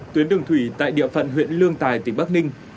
tuyến đường thủy tại địa phận huyện lương tài tỉnh bắc ninh